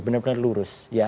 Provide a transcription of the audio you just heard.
benar benar lurus ya